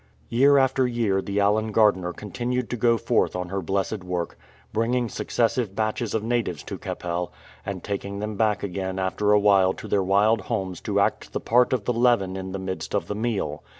Year after year the Allen Gardiner continued to go forth on her blessed work, bringing successive batches of natives to Keppel, and taking them back again after a while to their wild homes to act the part of the leaven in the midst of the meal.